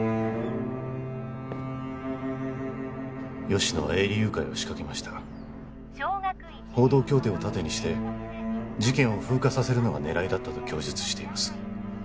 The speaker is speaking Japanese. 吉乃は営利誘拐を仕掛けました報道協定を盾にして事件を風化させるのが狙いだったと供述しています